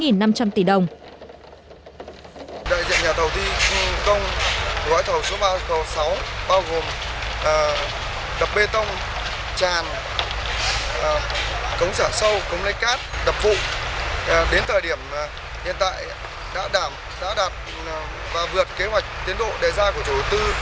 đại diện nhà thầu thi công gói thầu số ba mươi sáu bao gồm đập bê tông tràn cống sả sâu cống lây cát đập vụ đến thời điểm hiện tại đã đạt và vượt kế hoạch tiến độ đề ra của chủ tư